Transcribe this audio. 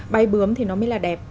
bay bướm thì nó mới là đẹp